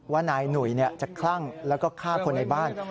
ว่านายหนุ่ยจะคลั่งแล้วก็ฆ่าคนในบ้าน